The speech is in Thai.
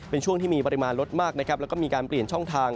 เป็นช่วงที่มีปริมาณรถมากและก็มีการเปลี่ยนช่องทาง